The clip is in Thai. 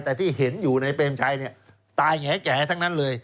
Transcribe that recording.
แต่ที่เห็นอยู่ในเปรมชัยเนี่ยตายแง่ทั้งนั้นเลย